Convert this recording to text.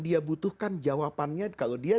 dia butuhkan jawabannya kalau dia